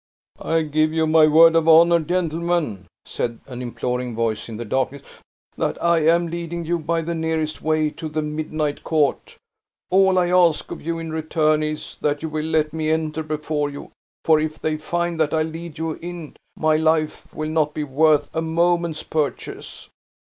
"I give you my word of honor, gentlemen," said an imploring voice in the darkness, "that I'm leading you, by the nearest way, to the Midnight Court. All I ask of you in return is, that you will let me enter before you; for if they find that I lead you in, my life will not be worth a moment's purchase."